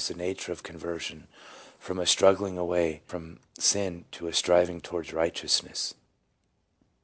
293 the nature of conversion from a struggling away from sin to a striving towards righteousness.